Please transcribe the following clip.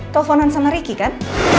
teleponan sama riki kan